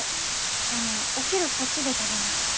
あのお昼こっちで食べますか？